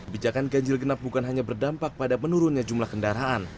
bijakan ganjil genap bukan hanya berdampak pada menurunnya jumlah kendaraan